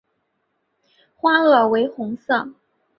花萼为红色。